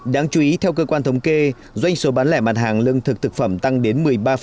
đáng chú ý theo cơ quan thống kê doanh số bán lẻ mặt hàng lương thực thực phẩm tăng đến một mươi ba